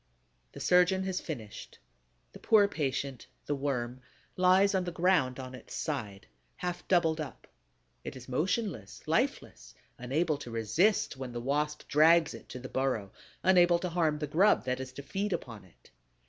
The surgeon has finished. The poor patient, the Worm, lies on the ground on its side, half doubled up. It is motionless, lifeless, unable to resist when the Wasp drags it to the burrow, unable to harm the grub that is to feed upon it.